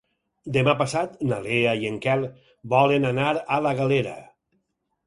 Demà passat na Lea i en Quel volen anar a la Galera.